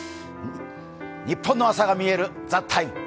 ニッポンの朝がみえる「ＴＨＥＴＩＭＥ，」